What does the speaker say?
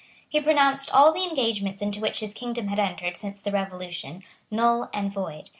He pronounced all the engagements into which his kingdom had entered since the Revolution null and void.